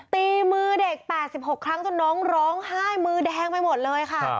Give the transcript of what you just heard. ตีมือเด็ก๘๖ครั้งจนน้องร้องไห้มือแดงไปหมดเลยค่ะ